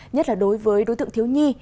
nhất là đối với đối tượng thiếu nhi